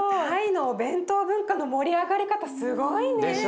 タイのお弁当文化の盛り上がり方すごいね。